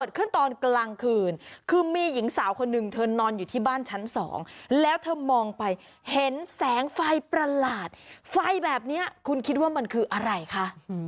ตอนกลางคืนคือมีหญิงสาวคนหนึ่งเธอนอนอยู่ที่บ้านชั้นสองแล้วเธอมองไปเห็นแสงไฟประหลาดไฟแบบนี้คุณคิดว่ามันคืออะไรคะ